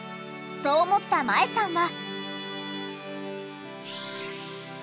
そう思った麻恵さんは。